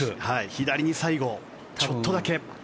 左に最後、ちょっとだけ。